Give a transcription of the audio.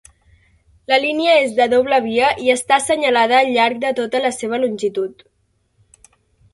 La línia és de doble via i està assenyalada al llarg de tota la seva longitud.